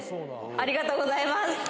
ありがとうございます。